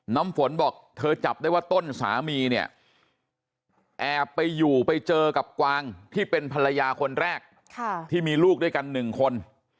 น้ำฝนบอกเธอจับได้ว่าต้นสามีเนี่ยแอบไปอยู่ไปเจอกับกวางที่เป็นภรรยาคนแรกที่มีลูกด้วยกัน๑คน